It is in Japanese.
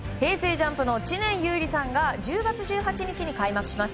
ＪＵＭＰの知念侑李さんが１０月１８日に開幕します